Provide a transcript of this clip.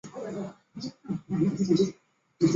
不久复授援剿河南总兵官。